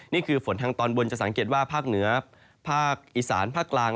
นี่คือฝนทางตอนบนจะสังเกตว่าภาคเหนือภาคอีสานภาคกลาง